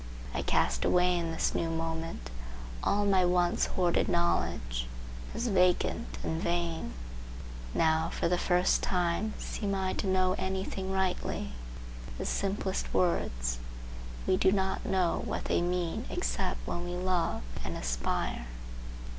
I cast away in this new moment all my once hoarded knowledge, as vacant and vain. Now, for the first time seem I to know any thing rightly. The simplest words,—we do not know what they mean except when we love and aspire.